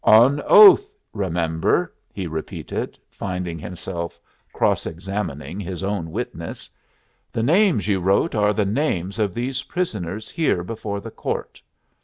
"On oath, remember!" he repeated, finding himself cross examining his own witness. "The names you wrote are the names of these prisoners here before the court.